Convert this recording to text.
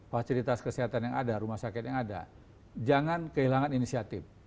fasilitas kesehatan yang ada rumah sakit yang ada jangan kehilangan inisiatif